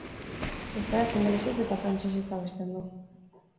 Euskaraz, ingelesez eta frantsesez abesten du.